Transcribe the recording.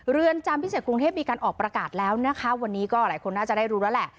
เรือนจำพิเศษกรุงเทพมีการออกประกาศแล้วนะคะวันนี้ก็หลายคนน่าจะได้รู้แล้วแหละ